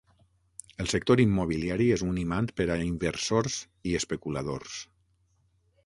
El sector immobiliari és un imant per a inversors i especuladors.